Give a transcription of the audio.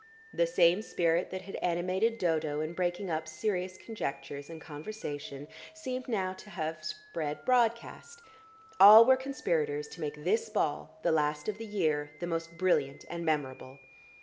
The same spirit that had animated Dodo in breaking up serious conjectures and conversation seemed now to have spread broadcast; all were conspirators to make this ball, the last of the year, the most brilliant and memorable.